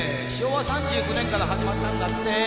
昭和３９年から始まったんだって。